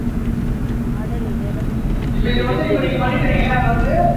பாடல் இறைவன் காதில் விழுந்து விடுகிறது.